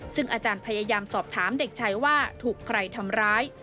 ซึ่งอาจารย์พยายามสอบถามเด็กชายว่าถูกใครทำร้าย